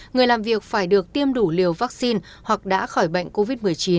người làm việc phải được tiêm đủ liều vaccine hoặc đã khỏi bệnh covid một mươi chín